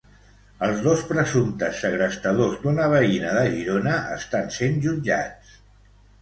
Els dos presumptes segrestadors d'una veïna de Girona estan sent jutjats.